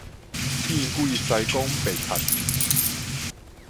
見鬼司公白賊戲